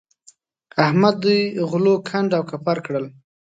احمد دوی غلو کنډ او کپر کړل.